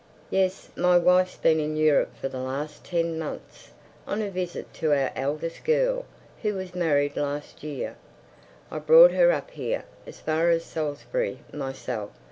"Yes, my wife's been in Europe for the last ten months. On a visit to our eldest girl, who was married last year. I brought her up here, as far as Salisbury, myself.